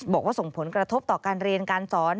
บอกว่าส่งผลกระทบต่อการเรียนการสอน